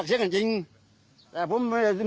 เขาเห็นพี่เขาหนูกว่าดี